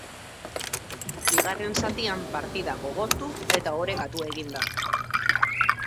Bigarren zatian partida gogortu eta orekatu egin da.